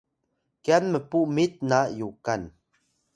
kyan mpu mit na Yukan